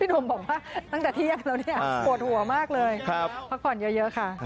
หนุ่มบอกว่าตั้งแต่เที่ยงแล้วเนี่ยปวดหัวมากเลยพักผ่อนเยอะค่ะ